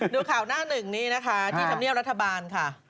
ดูข่าวหน้าหนึ่งนี้นะคะที่ธรรมเนียบรัฐบาลค่ะ